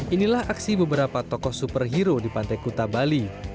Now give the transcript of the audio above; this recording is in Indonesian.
inilah aksi beberapa tokoh superhero di pantai kuta bali